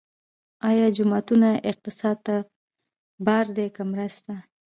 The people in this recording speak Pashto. آیا جوماتونه اقتصاد ته بار دي که مرسته؟